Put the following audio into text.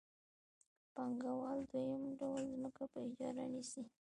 ب پانګوال دویم ډول ځمکه په اجاره نیسي